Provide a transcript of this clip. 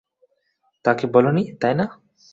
তাকে বলো নি, তাই না?